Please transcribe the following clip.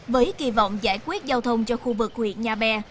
với kỳ vọng giải quyết giao thông cho khu vực huyện nhà bè